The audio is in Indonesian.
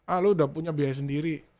ah lo udah punya biaya sendiri